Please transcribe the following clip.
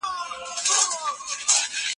پوهنتون مهمه پرېکړه وکړه.